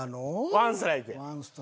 ワンストライク？